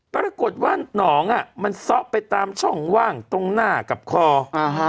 ปรากฏว่าหนองอ่ะมันซ่อไปตามช่องว่างตรงหน้ากับคออ่าฮะ